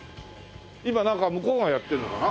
今なんか向こうがやってるのかな。